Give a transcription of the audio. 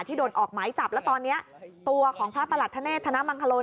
โดนออกหมายจับแล้วตอนนี้ตัวของพระประหลัดธเนธนมังคโล